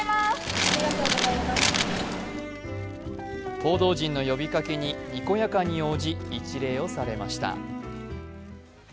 報道陣の呼びかけににこやかに応じ一礼をされました。